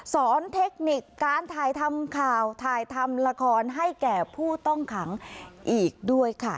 เทคนิคการถ่ายทำข่าวถ่ายทำละครให้แก่ผู้ต้องขังอีกด้วยค่ะ